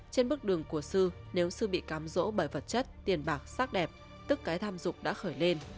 trên bước đường của sư nếu sư bị cám dỗ bởi vật chất tiền bạc sắc đẹp tức cái tham dụng đã khởi lên